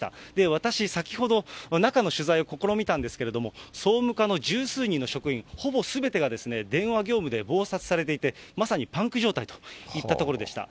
私、先ほど、中の取材を試みたんですけれども、総務課の十数人の職員ほぼすべてが電話業務で忙殺されていて、まさにパンク状態といったところでした。